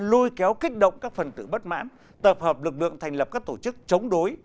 lôi kéo kích động các phần tử bất mãn tập hợp lực lượng thành lập các tổ chức chống đối